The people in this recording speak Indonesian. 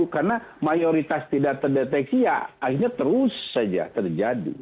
karena mayoritas tidak terdeteksi ya akhirnya terus saja terjadi